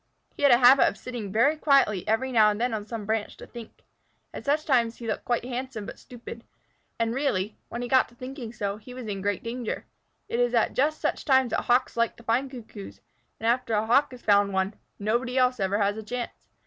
He had a habit of sitting very quietly every now and then on some branch to think. At such times he looked handsome but stupid, and really, when he got to thinking so, he was in great danger. It is at just such times that Hawks like to find Cuckoos, and after a Hawk has found one, nobody else ever has a chance.